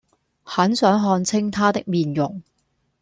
很想看清他的面容